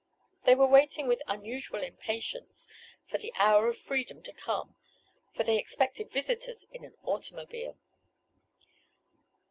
They were waiting with unusual impatience, for the "hour of freedom" to come, for they expected visitors in an automobile.